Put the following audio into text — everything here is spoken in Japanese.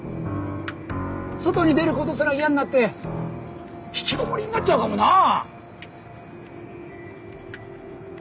外に出る事すら嫌になってひきこもりになっちゃうかもなあ。